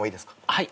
はい。